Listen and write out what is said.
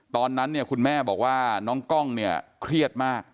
ตอนนั้นคุณแม่บอกว่าน้องกล้องเครียดมาก